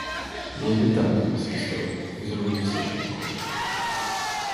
Я віддам тобі сестру і зроблю все, що ти хочеш!